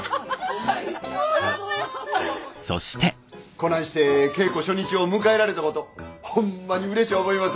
こないして稽古初日を迎えられたことほんまにうれし思います。